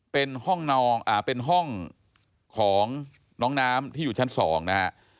เป็นห้องเป็นห้องของน้องน้ำที่อยู่ชั้น๒นะฮะ